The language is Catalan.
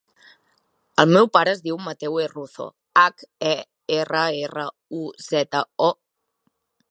El meu pare es diu Mateu Herruzo: hac, e, erra, erra, u, zeta, o.